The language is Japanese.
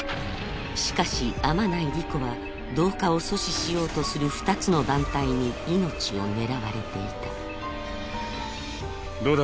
しかし天内理子は同化を阻止しようとする２つの団体に命を狙われていたどうだ？